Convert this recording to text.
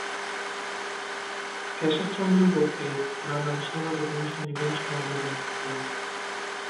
কেশব চন্দ্র গগৈ নানান সামাজিক অনুষ্ঠানে ঘনিষ্ঠ ভাবে জড়িত ছিলেন।